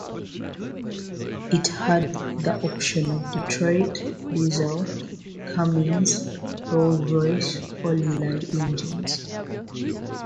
It had the option of Detroit Diesel, Cummins, Rolls-Royce or Leyland engines.